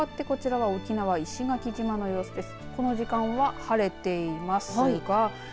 かわってこちらは沖縄、石垣島の様子です。